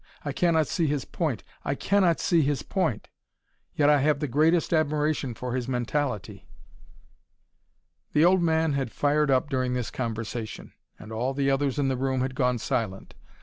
I cannot see his point. I cannot see his point. Yet I have the greatest admiration for his mentality." The old man had fired up during this conversation and all the others in the room had gone silent.